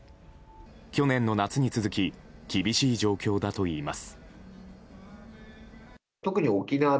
去年の夏に続き厳しい状況だといいます。